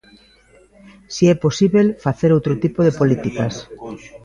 Si é posíbel facer outro tipo de políticas.